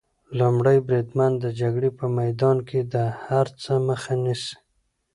لومړی بریدمن د جګړې په میدان کې د هر څه مخه نیسي.